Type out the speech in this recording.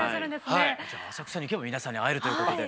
じゃあ浅草に行けば皆さんに会えるということで。